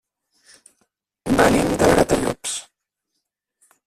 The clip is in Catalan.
Venim de Gratallops.